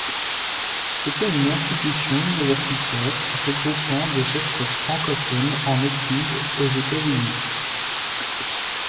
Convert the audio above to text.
C'était une institution universitaire regroupant des chercheurs francophones en exil aux États-Unis.